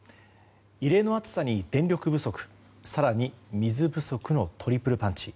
異例の暑さに電力不足更に水不足のトリプルパンチ。